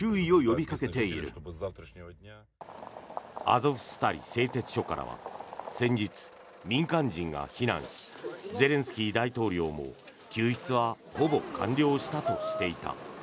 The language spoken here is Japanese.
アゾフスタリ製鉄所からは先日、民間人が避難しゼレンスキー大統領も救出はほぼ完了したとしていた。